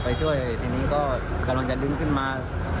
ไปช่วยทีนี้ก็กำลังจะดึงขึ้นมา